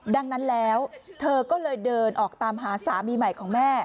ดังนั้นแล้วเธอก็เลยเดินออกตามหาสามีใหม่ของแม่